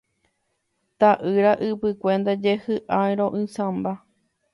Ta'ýra ypykue ndaje hy'airo'ysãmba.